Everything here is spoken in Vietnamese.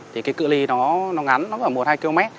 thì cái cự li nó ngắn nó là một hai km